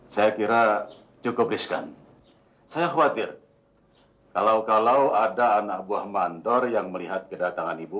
saya kira cukup riskan saya khawatir kalau kalau ada anak buah mandor yang melihat kedatangan ibu